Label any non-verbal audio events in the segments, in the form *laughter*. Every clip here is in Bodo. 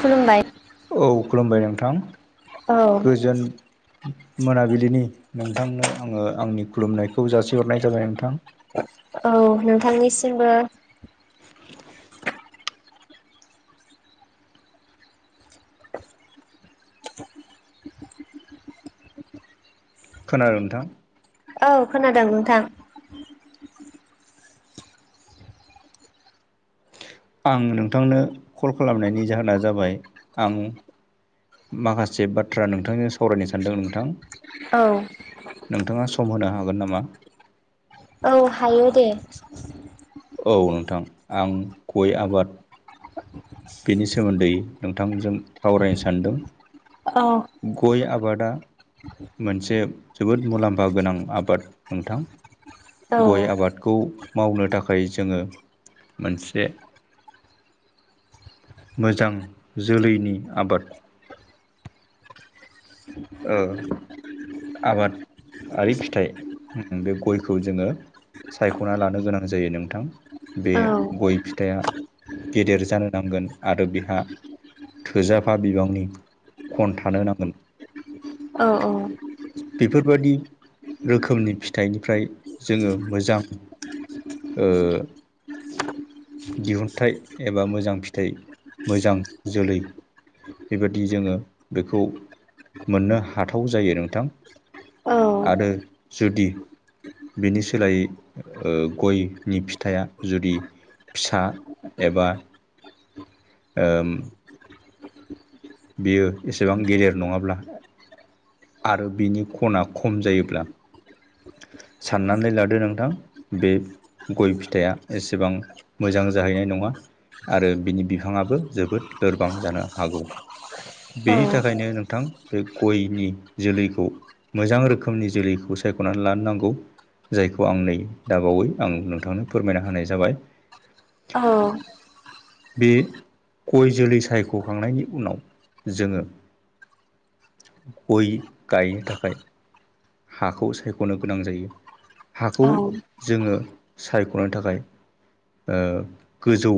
खुलुमबाय औ खुलुमबाय नोंथां औ गोजोन मोनाबिलिनि नोंथांनो आङो आंनि खुलुमनायखौ जासिहरनाय जाबाय नोंथां औ नोंथांनिसिमबो *inaudible* खोनादों नोंथां। औ खोनादों नोंथां। आं नोंथांनो कल खालामनायनि जाहोना जाबाय आं माखासे बाथ्रा नोंथांजों सावरायनो सानदों नोंथां। औ। नोंथाङा सम होनो हागोन नामा? औ हायो दे। औ नोंथां आं गय आबाद बेनि सोमोन्दै नोंथांजों सावरायनो सानदों। औ। गय आबादा। मोनसे जोबोद मुलाम्फा गोनां आबाद नोंथां। औ गय आबादखौ मावनो थाखाय जोङो मोनसे मोजां जोलैनि आबाद आबादि फिथाइ बे गयखौ जोङो सायख'ना लानो गोनां जायो नोंथां बे औ गय फिथाइया गेदेर जानो नांगोन आरो बिहा थोजाफा बिबांनि खन थानो नांगोन। औ औ। बेफोरबायाददि रोखोमनि फिथाइनिफ्राय जोङो मोजां ओ। दिहुुनथाइ एबा मोजां फिथाइ मोजां जोलै बेबायदि जोङो बेखौ मोननो हाथाव जायो नोंथां औ आरो जुदि बिनि सोलायै गयनि फिथाइ जुदि फिसा एबा ओ। बियो एसेबां गेदेर नङाब्ला आरो बिनि खना खम जायोब्ला साननानै लादो नोंथां बे गय फिथाइया एसेबां मोजां जाहैनाय नङा। आरो बिनि बिफाङाबो जोबोद लोरबां जानो हागौ। बेनि औ औ थाखायनो नोंथां बे गयनि जोलैखौ मोजां रोखोमनि जोलैखौ सायख'नानै लानो नांगौ। जायखौ आं नै दाबावै आं नोंथांनो फोरमायना होनाय जाबाय। औ। बे गय जोलै सायख'खांनायनि उनाव जोङो गय गायनो थाखाय हाखौ सायख'नो गोनां जायो हाखौ जोङो सायख'नायनि थाखाय गोजौ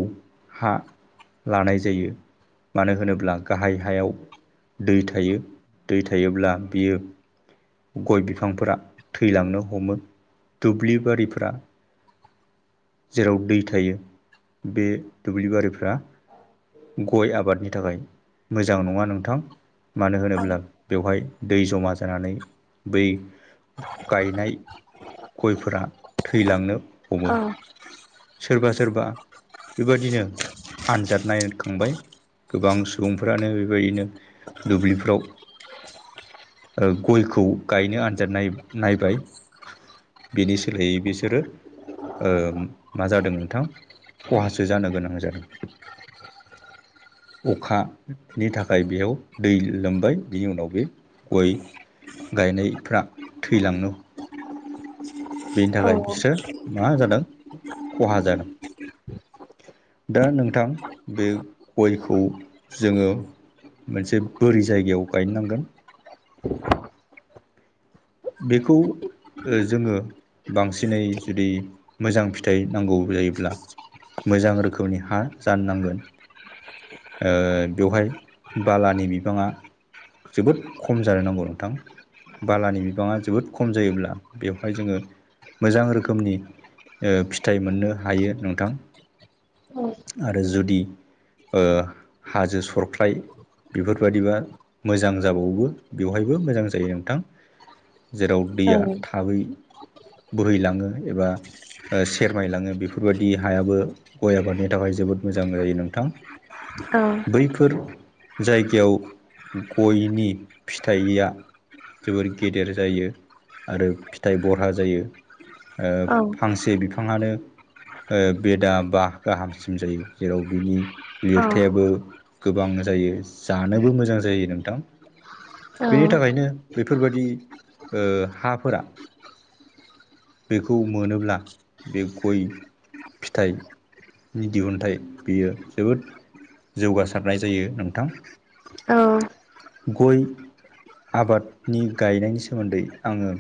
हा लानाय जायो मानो होनोब्ला गाहाय हायाव दै थायो दै थायोब्ला बियो। गय बिफांफोरा थैलांनो हमो दुब्लि बारिफोरा जेराव दै थायो बे दुब्लि बारिफ्रा गय आबादनि थाखाय मोजां नङा नोंथां मानो होनोब्ला बेवहाय दै जमा जानानै बै गायनाय गयफोरा थैलांनो हमो औ। सोरबा सोरबा बेबादिनो आनजाद नायखांबाय गोबां सुबुंफ्रानो बेबायदिनो दुब्लिफ्राव गयखौ गायनो आनजाद नाय नायबाय बिनि सोलायै बिसोरो ओ मा जादों नोंथां खहासो जानो गोनां जादों। अखानि थाखाय बेयाव दै लोमबाय बिनि उनाव बे गय गायनायफ्रा थैलांयो बेनि थाखाय बिसोरो मा जादों खहा जादों। दा नोंथां बे गयखौ जोङो मोनसे बोरि जायगायाव गायनांगोन। बेखौ ओ जोङो बांसिनै जुदि मोजां फिथाइ नांगौ जायोब्ला मोजां रोखोमनि हा जानो नांगोन। बेवहाय बालानि बिबाङा जोबोद खम जानो नांगौ नोंथां बालानि बिबाङा जोबोद खम जायोब्ला बेवहाय जोङो मोजां रोखोमनि फिथाइ मोननो हायो नोंथां आरो जुदि हाजो सरख्लाय बेफोरबायदिबा मोजां जाबावो बेवहायबो मोजां जायो नोंथां। जेराव दैया थाबै बुरहैलाङो एबा सेरमायलाङो बेफोरबायदि हायाबो गय आबादनि थाखाय जोबोद मोजां जायो नोंथां। औ बैफोर जायगायाव गयनि फिथाइया जोबोर गेदेर जायो आरो फिथाइ बरहा जायो ओ फांसे बिफाङानो बेदा बा गाहामसिम जायो जेराव बिनि लिरथायाबो गोबां जायो जानोबो मोजां जायो नोंथां। बेनि थाखायनो बेफोरबायदि हाफोरा बेखौ मोनोब्ला बे गय फिथाइ नि दिहुनथाइ बियो जोबोद जौगासारनाय जायो नोंथां। गय आबादनि गायनायनि सोमोन्दै आङो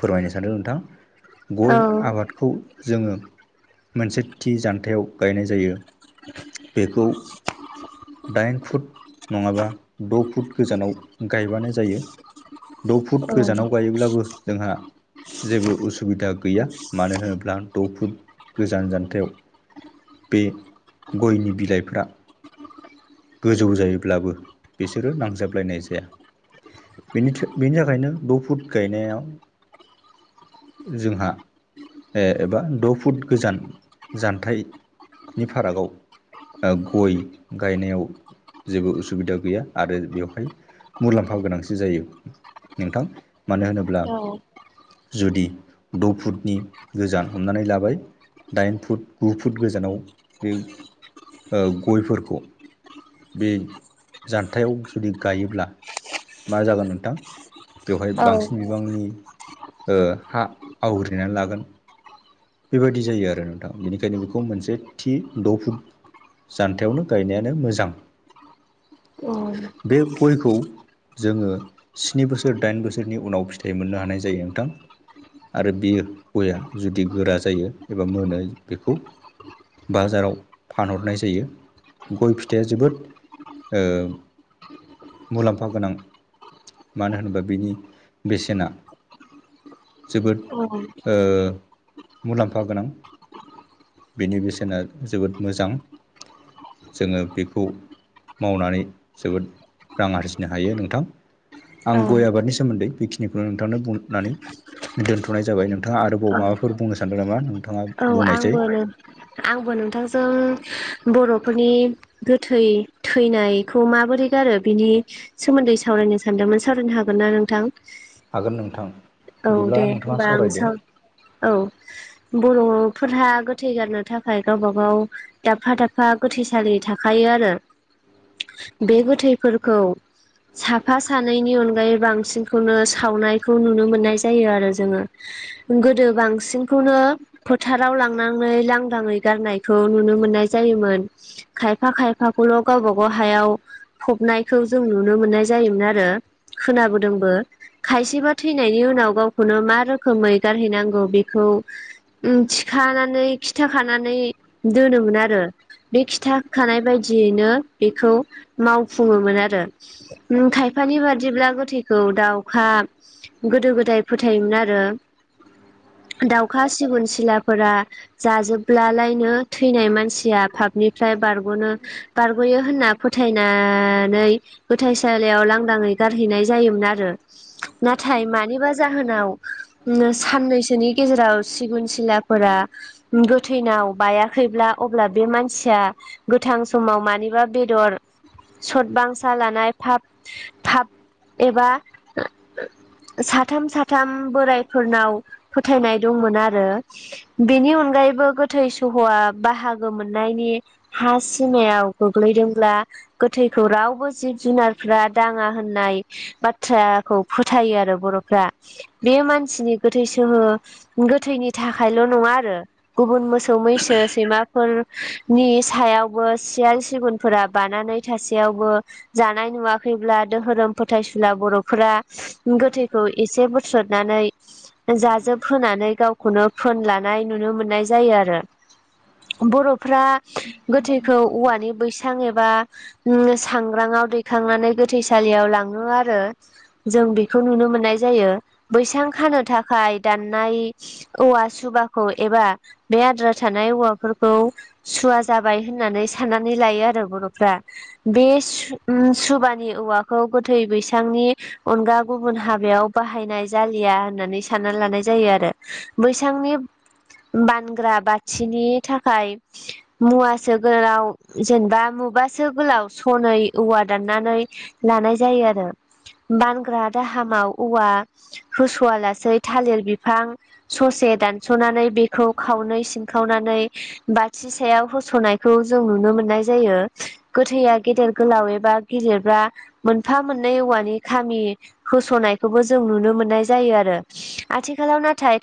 फोरमायनो सानदों नोंथां गय आबादखौ जोङो मोनसे थि जान्थायाव गायनाय जायो बेखौ दाइन फुट नङाबा द' फुट गोजानाव गायबानो जायो। द' फुट गोजानाव गायोब्लाबो जोंहा जेबो उसुबिदा गैया मानो होनोब्ला द' फुट गोजान जानथायाव बे गयनि बिलाइफ्रा गोजौ जायोब्लाबो बिसोरो नांजाबलायनाय जाया बेनि बेनि थाखायनो द' फुट गायनायाव जोंहा एबा द' फुट गोजान जान्थाइनि फारागाव गय गायनायाव जेबो उसुबिदा गैया आरो बेवहाय मुलाम्फा गोनांसो जायो नोंथां मानो होनोब्ला जुदि द' फुटनि गोजान हमनानै लाबाय दाइन फुट गु फुट गोजानाव बे गयफोरखौ बे जान्थायाव जुदि गायोब्ला मा जागोन नोंथां बेवहाय बांसिन बिबांनि हा आवग्रिनानै लागोन बेबायदि जायो आरो नोंथां बेनिखायनो बेखौ मोनसे थि द' फुट जानथायावनो गायनायानो मोजां उ बे गयखौ जोङो स्नि बोसोर दाइन बोसोरनि उनाव फिथाइ मोननो हानाय जायो नोंथां आरो बियो गया जुदि गोरा जायो एबा मोनो बेखौ बाजाराव फानहरनाय जायो गय फिथाइया जोबोद ओ मुलाम्फा गोनां मानो होनोबा बिनि बेसेना जोबोद ओ मुलाम्फा गोनां बेनि बेसेना जोबोद मोजां जोङो बेखौ मावनानै जोबोद रां आरजिनो हायो नोंथां आं औ गय आबादनि सोमोन्दै बेखिनिखौ नोंथांनो बुंनानै दोन्थ'नाय जाबाय नोंथाङा औ आरोबाव माबाफोर बुंनो सानदों नामा नोंथाङा औ बुंनायसै आंबो नों आंबो नोंथांजों बर'फोरनि गोथै थैनायखौ माबोरै गारो बिनि सोमोन्दै सावरायनो सानदोंमोन सावरायनो हागोन ना नोंथां हागोन नोंथां औ बिदिब्ला दे नोंथाङा हबा आं सावरायदो स औ बर'फोरहा गोथै गारनो थाखाय गावबा गाव दाबफा दाबफा गोथैसालि थाखायो आरो बे गोथैफोरखौ साफा सानैनि अनगायै बांसिनखौनो सावनायखौ नुनो मोननाय जायो आरो जोङो गोदो बांसिनखौनो फोथाराव लांनानै लांदाङै गारनायखौ नुनो मोननाय जायोमोन खायफा खायफाखौल' गावबा गाव हायाव फबनायखौ जों नुनो मोननाय जायोमोन आरो खोनाबोदोंबो खायसेबा थैनायनि उनाव गावखौनो मा रोखोमै गारहैनांगौ बेखौ ओ थिखानानै खिथाखानानै दोनोमोन आरो बे खिथा होखानाय बायदियैनो बेखौ मावफुङोमोन आरो उम खायफानि बादिब्ला गोथैखौ दाउखा गोदो गोद बिदाय फोथायोमोन आरो दाउखा सिगुन सिलाफोरा जाजोबब्लालायनो थैनाय मानसिया पापनिफ्राय बारग'नो बारग'यो होनना फोथायनानै गोथाइसालियाव लांदाङै गारहैनाय जायोमोन आरो नाथाय मानिबा जाहोनाव साननैसोनि गेजेराव सिगुन सिलाफोरा गोथैनाव बायाखैब्ला अब्ला बे मानसिया गोथां समाव मानिबा बेदर सत बांसा लानाय फाब थाब एबा ओ ओ सात साथाम साथाम बोराइफोरनाव फोथायनाय दंमोन आरो बेनि अनगायैबो गोथै सह'आ बाहागो मोननायनि हा सिमायाव गोग्लैदोंब्ला गोथैखौ रावबो जिब जुनारफोरा दाङा होननाय बाथ्राखौ फोथायो आरो बर'फ्रा बे मानसिनि गोथैसोहो गोथैनि थाखायल' नङा आरो गुबुन मोसौ मैसो सैमा फोरनि सायावबो सियाल सिगुनफोरा बानानै थासेयावबो जानाय नुवाखैब्ला दोहोरोम फोथायसुला बर'फोरा गोथै खौ एसे बोथ्रोदनानै जाजोब होनोनानै गावखौनो फोन लानाय नुनो मोननाय जायो आरो बर'फ्रा गोथैखौ औवानि बैसां एबा सांग्राङाव दैखांनानै गोथैसालियाव लाङो आरो जों बेखौ नुनो मोनो नाय जायो बैसां खानो थाखाय दाननाय औवा सुबाखौ एबा बे आद्रा थानाय औवाफोरखौ सुवा जाबाय होननानै साननानै लायो आरो बर'फ्रा बे सुबानि औवाखौ गोथै बैसांनि अनगा गुबुन हाबा याव बाहायनाय जालिया होननानै सानना लानाय जायो आरो बैसांनि बानग्रा बाथिनि थाखाय मुवा सोगोराव जेनेबा मुबासो गोलाव सनै औवा दाननानै लानाय जायो आरो बानग्रा दाहामाव औवा होस'आ लासेै थालिर बिफां ससे दानस'नानै बेखौ खावनै सिनखावनानै बाथि सायाव होस'नायखौ जों नुनो मोननाय जायो गोथैया गेदेर गोलाव एबा गेदिरबा मोनफा मोननै औवानि खामि होस'नाय खौबो जों नुनो मोननाय जायो आरो आथिखालाव नाथाय